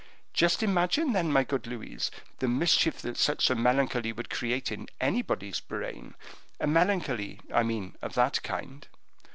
Just imagine then, my good Louise, the mischief that such a melancholy would create in anybody's brain, a melancholy, I mean, of that kind.